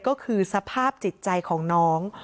ก็คือสภาพจิตใจของน้อง